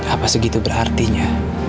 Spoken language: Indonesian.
apa segitu berartinya